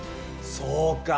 そうか。